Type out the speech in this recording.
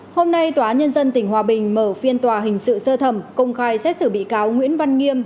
hôm nay tòa nhân dân tỉnh hòa bình mở phiên tòa hình sự sơ thẩm công khai xét xử bị cáo nguyễn văn nghiêm